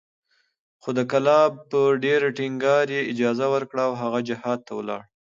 خو د کلاب په ډېر ټينګار یې اجازه ورکړه او هغه جهاد ته ولاړ